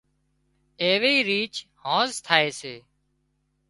ايوي ريچ هانز ٿائي سي